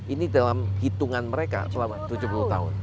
ini dalam hitungan mereka selama tujuh puluh tahun